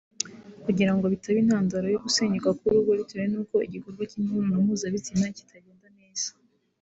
kugira ngo bitaba intandaro yo gusenyuka k’urugo bitewe n’uko igikorwa cy’imibonano mpuzabitsina kitagenda neza